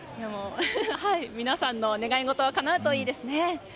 皆さんの願い事がかなうといいですね。